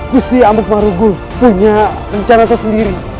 gusti amuk marugul punya rencana tersendiri